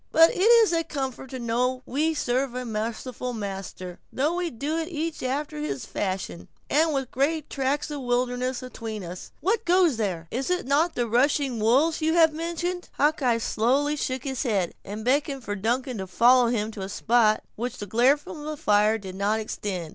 But it is a comfort to know we serve a merciful Master, though we do it each after his fashion, and with great tracts of wilderness atween us—what goes there?" "Is it not the rushing of the wolves you have mentioned?" Hawkeye slowly shook his head, and beckoned for Duncan to follow him to a spot to which the glare from the fire did not extend.